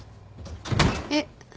えっ。